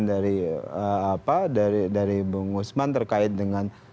kemudian ada tadi statement dari bung usman terkait dengan